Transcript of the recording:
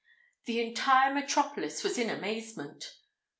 The entire metropolis was in amazement!